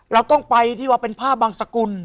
เราต้องไปที่ว่าเป็นผ้าบางสกุล